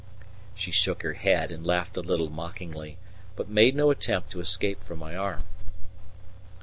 She shook her head and laughed a little mockingly, but made no effort to escape from my arm.